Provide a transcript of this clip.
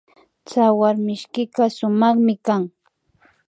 Tsawarmishkika sumakmi kan